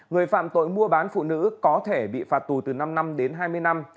người phạm tội mua bán phụ nữ có thể bị phạt tù từ năm năm đến hai mươi năm